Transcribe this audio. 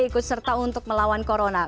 ikut serta untuk melawan corona